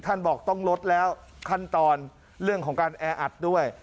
บอกต้องลดแล้วขั้นตอนเรื่องของการแออัดด้วย